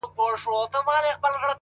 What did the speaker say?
بریا د دوام محصول ده؛